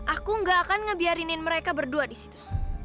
aku gak akan ngebiarin mereka berdua disitu